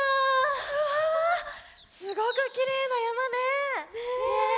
うわすごくきれいなやまね。ね。